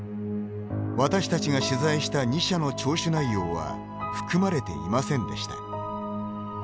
私たちが取材した２社の聴取内容は含まれていませんでした。